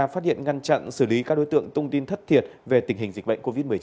phát hiện ngăn chặn xử lý các đối tượng thông tin thất thiệt về tình hình dịch bệnh covid một mươi chín